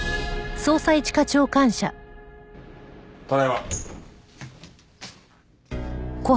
ただいま。